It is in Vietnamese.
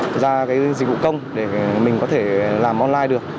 thực ra cái dịch vụ công để mình có thể làm online được